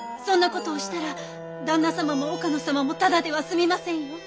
そんなことをしたら旦那様も岡野様もただでは済みませんよ。